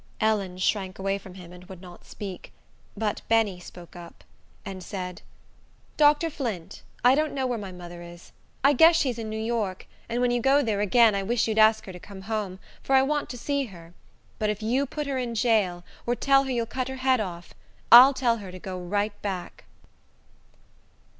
Ellen shrank away from him, and would not speak; but Benny spoke up, and said, "Dr. Flint, I don't know where my mother is. I guess she's in New York; and when you go there again, I wish you'd ask her to come home, for I want to see her; but if you put her in jail, or tell her you'll cut her head off, I'll tell her to go right back."